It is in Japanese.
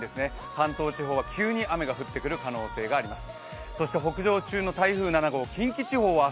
関東地方は急に雨が降ってくる可能性があります。